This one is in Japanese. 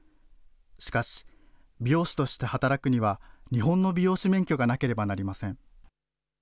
しかし、美容師として働くには、日本の美容師免許がなければなりません。